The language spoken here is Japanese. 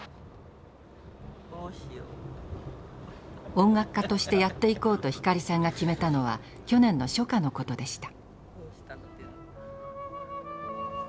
音楽家としてやっていこうと光さんが決めたのは去年の初夏のことでした。